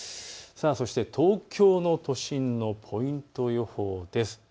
東京の都心のポイント予報です。